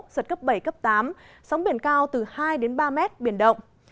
giật cấp bảy cấp tám sóng biển cao từ hai đến ba mét biển động